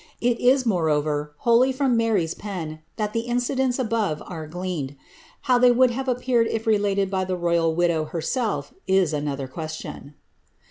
It is, moreover, wholly from Mary^ pfa that the incidents above are gleaned : how they would have appeared if related by the royal widow herself, is another question.